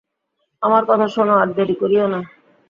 আমার কথা শোনো, আর দেরি করিয়ো না।